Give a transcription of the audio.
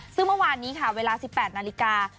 ซึ่งเมื่อวานนี้ค่ะเวลา๑๘นาฬิกา